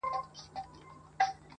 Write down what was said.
• خوځېدلی به توپان وي -